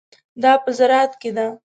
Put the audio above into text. دا په زراعت کې ده.